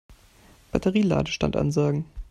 Batterie-Ladestand ansagen.